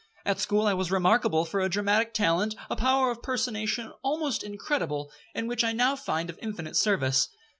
At school I was remarkable for a dramatic talent, a power of personation almost incredible, and which I now find of infinite service.